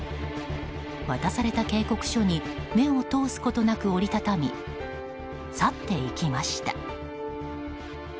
渡された警告書に目を通すことなく折り畳み、去っていきました。